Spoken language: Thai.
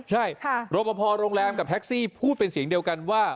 ใช่รอปภโรงแรมกับแท็กซี่พูดเป็นเสียงเดียวกันว่า